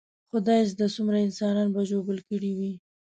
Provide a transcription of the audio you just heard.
خدا زده څومره انسانان به ژوبل کړي وي.